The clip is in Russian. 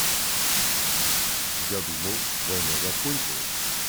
Я думал, война закончилась.